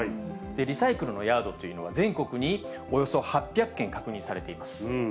リサイクルのヤードというのは、全国におよそ８００件確認されています。